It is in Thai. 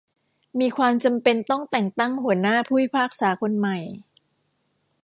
มีความจำเป็นต้องแต่งตั้งหัวหน้าผู้พิพากษาคนใหม่